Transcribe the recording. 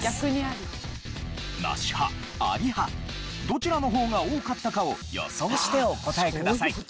ナシ派アリ派どちらの方が多かったかを予想してお答えください。